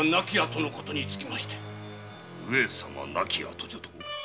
上様亡き後じゃと？